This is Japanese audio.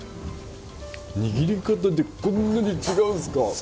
握り方でこんなに違うんですか。